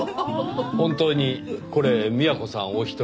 本当にこれ美和子さんお一人で？